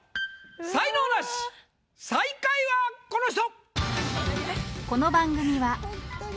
才能ナシ最下位はこの人！